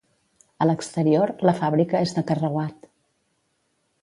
A l'exterior, la fàbrica és de carreuat.